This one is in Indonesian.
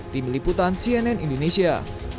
tim liputan cnn indonesia